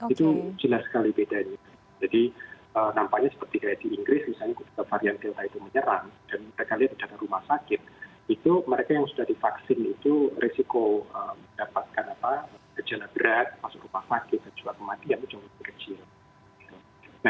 itu jelas sekali bedanya jadi nampaknya seperti di inggris misalnya varian delta itu menyerang dan mereka lihat di dalam rumah sakit itu mereka yang sudah divaksin itu risiko mendapatkan gejala berat masuk rumah sakit kejualan